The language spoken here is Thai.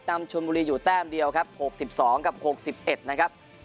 นำชนบุรีอยู่แต้มเดียวครับหกสิบสองกับหกสิบเอ็ดนะครับ